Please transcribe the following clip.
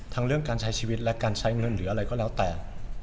เรื่องการใช้ชีวิตและการใช้เงินหรืออะไรก็แล้วแต่